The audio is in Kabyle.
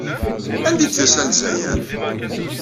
Anda ay d-tusa Lezzayer?